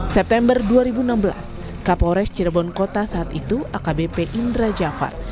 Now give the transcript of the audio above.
september dua ribu enam belas kapolres cirebon kota saat itu akbp indra jafar